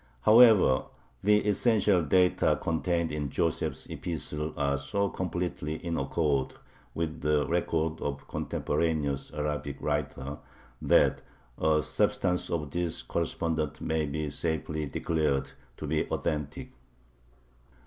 However, the essential data contained in Joseph's epistle are so completely in accord with the reports of contemporaneous Arabic writers that the substance of this correspondence may be safely declared to be authentic.